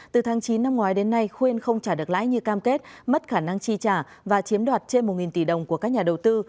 từ tháng chín năm ngoái đến nay khuyên không trả được lãi như cam kết mất khả năng chi trả và chiếm đoạt trên một tỷ đồng của các nhà đầu tư